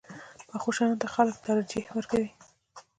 پخو شیانو ته خلک ترجیح ورکوي